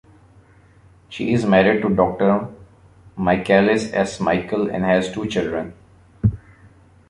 She is married to Doctor Michalis S. Michael, and has two children.